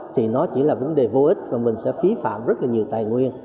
thì nó chỉ là vấn đề vô ích và mình sẽ phí phạm rất là nhiều tài nguyên